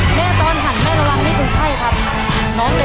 แม่ตอนหันแม่ระวังนี่เป็นไข้ครับ